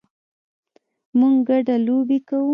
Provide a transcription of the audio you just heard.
موږ ګډه لوبې کوو